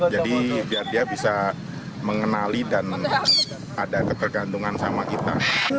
jadi biar dia bisa mengenali dan ada ketergantungan sama kita